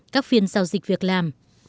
các phiên giao dịch việc làm